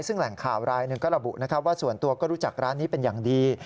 ซึ่งแหล่งข่าวรายหนึ่งก็ระบุนะครับว่าส่วนตัวก็รู้จักร้านนี้เป็นอย่างดี